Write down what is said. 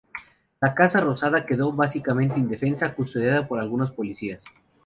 La Casa Rosada quedó básicamente indefensa, custodiada por algunos policías.